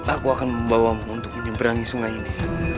aku akan membawamu untuk menyeberangi sungai ini